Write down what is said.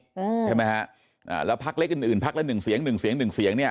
ใช่ไหมฮะอ่าแล้วพักเล็กอื่นอื่นพักละหนึ่งเสียงหนึ่งเสียงหนึ่งเสียงเนี้ย